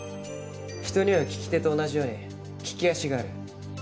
人には利き手と同じように利き足がある。